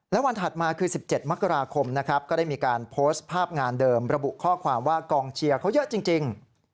และวันถัดมาคือ๑๗มกราคมนะครับก็ได้มีการโพสต์ภาพงานเดิมระบุข้อความว่ากองเชียร์เขาเยอะจริง